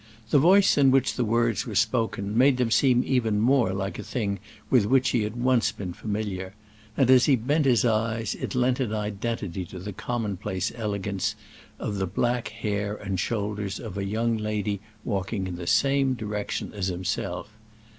The voice in which the words were spoken made them seem even more like a thing with which he had once been familiar, and as he bent his eyes it lent an identity to the commonplace elegance of the back hair and shoulders of a young lady walking in the same direction as himself.